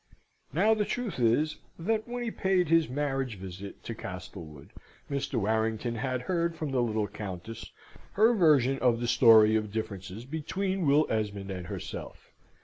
Now the truth is, that when he paid his marriage visit to Castlewood, Mr. Warrington had heard from the little Countess her version of the story of differences between Will Esmond and herself.